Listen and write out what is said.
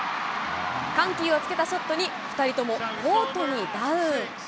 緩急をつけたショットに、２人ともコートにダウン。